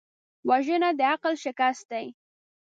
وژنه د عقل شکست دی